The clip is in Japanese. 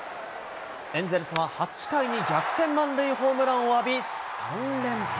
エンゼルスは８回に逆転満塁ホームランを浴び、３連敗。